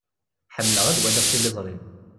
Ḥemmleɣ ad waliɣ tiliẓṛi.